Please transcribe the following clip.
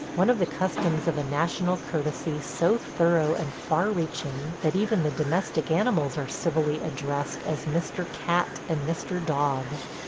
. one of the customs of a national courtesy so thorough and far reaching that even the domestic animals are civilly addressed as Mr. Cat and Mr. Dog. .